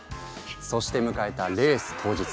そして迎えたレース当日。